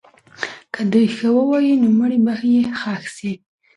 که دوی ښه ووایي، نو مړی به یې ښخ سي.